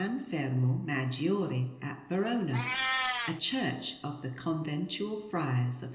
Fermo Maggiore at Verona (a church of the Conventual Friars of S.